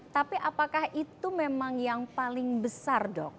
tapi apakah itu memang yang paling besar dok